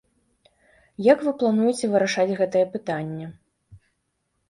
Як вы плануеце вырашаць гэтае пытанне?